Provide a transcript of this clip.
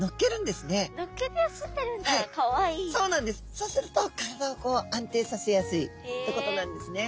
そうすると体をこう安定させやすいってことなんですね。